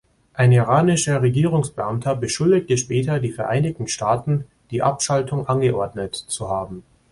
Ein iranischer Regierungsbeamter beschuldigte später die Vereinigten Staaten, die Abschaltung angeordnet zu haben.